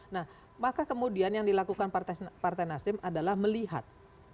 nah maka kemudian yang dilakukan partai nasdem adalah melihat